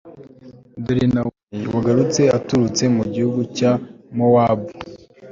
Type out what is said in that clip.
dore nawomi wagarutse aturutse mu gihugu cya mowabu